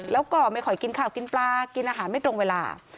แล้วก็ไม่ค่อยกินข้าวกินปลากินอาหารไม่ตรงเวลา